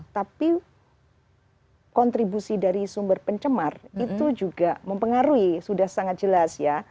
tapi kontribusi dari sumber pencemar itu juga mempengaruhi sudah sangat jelas ya